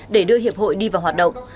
để đưa hiệp hội đi vào hoạt động